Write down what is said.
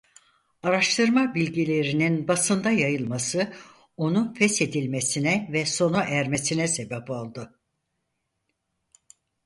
Araştırma bilgilerinin basında yayılması onu feshedilmesine ve sona ermesine sebep oldu.